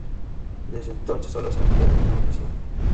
Desde entonces, sólo se ha ampliado en una ocasión.